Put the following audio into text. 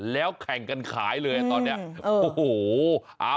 แล้วแข่งกันขายเลยตอนนี้โอ้โห